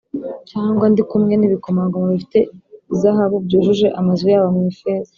cyangwa ndi kumwe n’ibikomangoma bifite izahabu, byujuje amazu yabo mu ifeza